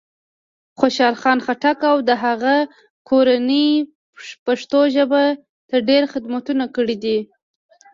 خوشال خان خټک او د هغه کورنۍ پښتو ژبې ته ډېر خدمتونه کړي دی.